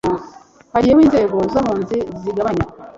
hagiyeho inzego z'abunzi zigabanya